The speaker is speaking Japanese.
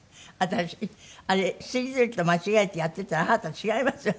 あれしりとりと間違えてやってたらあなた違いますよ